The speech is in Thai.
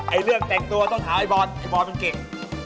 เรื่องแต่งตัวต้องถามไอ้บอลไอ้บอยมันเก่ง